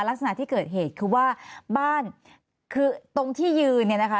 ลักษณะที่เกิดเหตุคือว่าบ้านคือตรงที่ยืนเนี่ยนะคะ